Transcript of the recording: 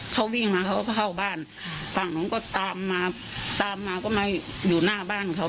เขาวิ่งมาเขาก็เข้าบ้านฝั่งนู้นก็ตามมาตามมาก็มาอยู่หน้าบ้านเขา